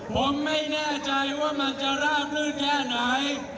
ผมไม่แน่ใจว่ามันจะราบรื่นแค่ไหน